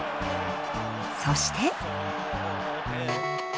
そして。